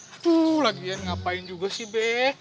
aduh lagian ngapain juga sih be